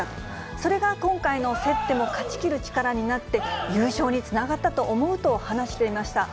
それが今回の競っても勝ちきる力になって優勝につながったと思うと話していました。